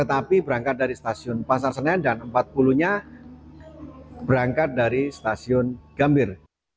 tetapi berangkat dari stasiun pasar senen dan empat puluh nya berangkat dari stasiun gambir